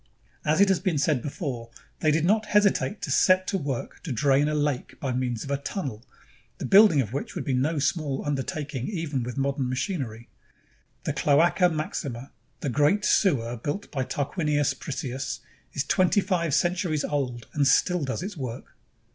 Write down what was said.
As has been said before, they did not hesitate to set to work to drain a lake by means of a tunnel, the building of which would be no small under taking even with modern machinery. The Cloaca Maxima, the great sewer built by Tarquinius Priscus, is twenty five centuries old and still does its work.